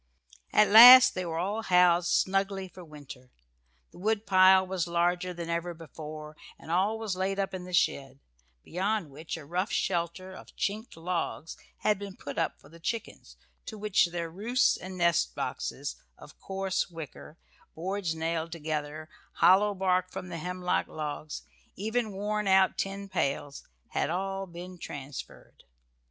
At last they were all housed snugly for winter. The woodpile was larger than ever before, and all laid up in the shed, beyond which a rough shelter of chinked logs had been put up for the chickens, to which their roosts and nest boxes, of coarse wicker, boards nailed together, hollow bark from the hemlock logs, even worn out tin pails, had all been transferred.